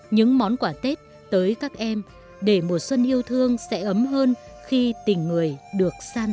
những món quà tết tới các em để mùa xuân yêu thương sẽ ấm hơn khi tình người được san